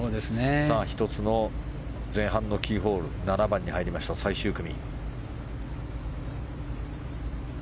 １つの前半のキーホール７番に入りました、最終組。